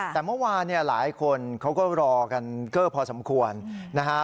แต่เมื่อวานเนี่ยหลายคนเขาก็รอกันเกอร์พอสมควรนะฮะ